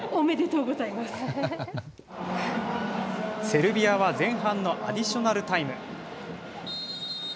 セルビアは前半のアディショナルタイム。